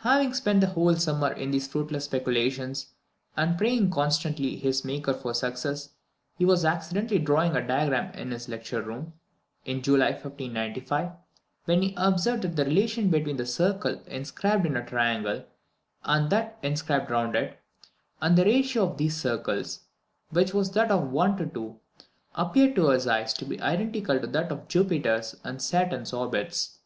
Having spent the whole summer in these fruitless speculations, and praying constantly to his Maker for success, he was accidentally drawing a diagram in his lecture room, in July 1595, when he observed the relation between the circle inscribed in a triangle, and that described round it; and the ratio of these circles, which was that of 1 to 2, appeared to his eye to be identical with that of Jupiter's and Saturn's orbits.